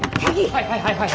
はいはいはいはい。